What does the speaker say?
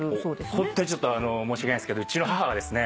ホントに申し訳ないんですけどうちの母がですね